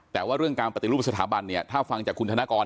แต่ว่าเรื่องการปฏิรูปสถาบันเนี่ยถ้าฟังจากคุณธนกร